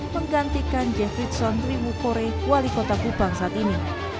menggantikan jefferson rimu kore wali kota kupang saat ini